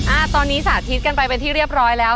อ่าตอนนี้สาธิตกันไปเป็นที่เรียบร้อยแล้ว